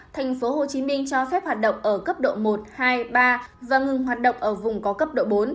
tp hcm cho phép hoạt động ở cấp độ một hai ba và ngừng hoạt động ở vùng có cấp độ bốn